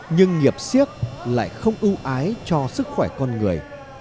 nhưng nghiệp siếc lại không ưu ái cho sức khỏe con người